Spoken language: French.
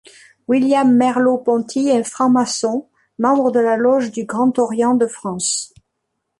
William Merlaud Ponty est franc-maçon, membre de la loge du Grand Orient de France.